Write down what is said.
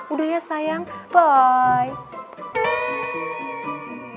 udah ya sayang bye